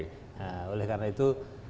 nah oleh karena itu